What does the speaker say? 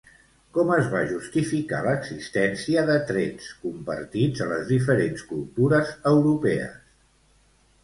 Com es va justificar l'existència de trets compartits a les diferents cultures europees?